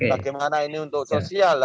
bagaimana ini untuk sosial